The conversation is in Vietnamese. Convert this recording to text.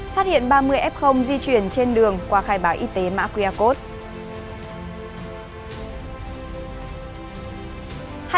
phát hiện ba mươi f di chuyển trên đường qua khai báo y tế macuacote